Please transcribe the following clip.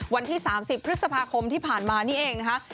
วันที่๓๐พฤษภาคมที่ผ่านมานี่เองนะคะ